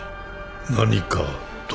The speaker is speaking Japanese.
何かとは？